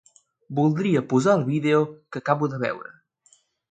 Voldria posar el vídeo que acabo de veure.